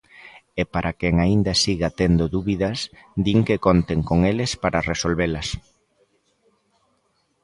E para quen aínda siga tendo dúbidas, din que conten con eles para resolvelas.